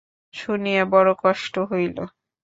শুনিয়া বড়ো কষ্ট হইল।